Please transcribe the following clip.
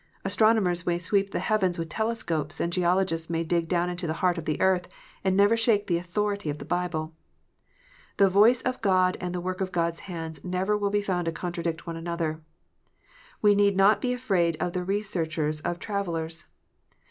Astronomers may sweep the heavens with telescopes, and geologists may dig down into the heart of the earth, and never shake the authority of the Bible :" The voice of God and the work of God s hands never will be found to contradict one another." We need not be afraid of the researches of travellers.